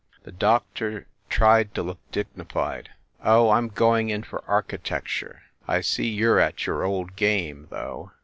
The doctor tried to look dignified. "Oh, I m going in for architecture. I see you re at your old game, though!"